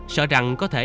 sợ rằng có thể